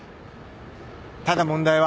ただ問題は。